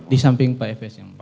di samping pak efes ya mulia